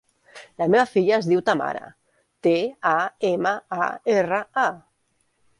La meva filla es diu Tamara: te, a, ema, a, erra, a.